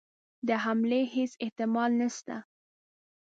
د حملې هیڅ احتمال نسته.